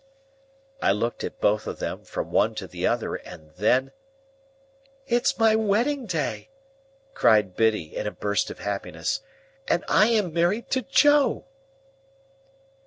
I looked at both of them, from one to the other, and then— "It's my wedding day!" cried Biddy, in a burst of happiness, "and I am married to Joe!"